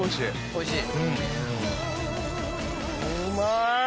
おいしい？